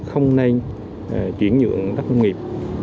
không nên chuyển nhượng đất nông nghiệp